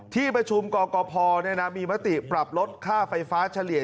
ที่ประชุมกกพมีมติปรับลดค่าไฟฟ้าเฉลี่ย